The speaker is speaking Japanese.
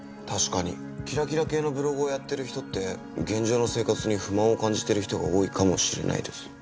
確かにキラキラ系のブログをやってる人って現状の生活に不満を感じてる人が多いかもしれないです。